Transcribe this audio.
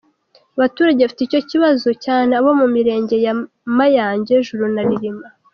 Abaturage bafite icyo kibazo cyane ni abo mu mirenge ya Mayange, Julu na Rilima.